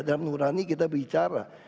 dalam nurani kita bicara